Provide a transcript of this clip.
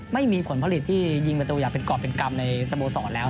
ไม่มีผลผลิตที่ยิงประตูอย่างเป็นกรอบเป็นกรรมในสโมสรแล้ว